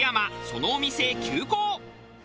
そのお店へ急行。